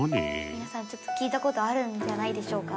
皆さんちょっと聞いた事あるんじゃないでしょうか。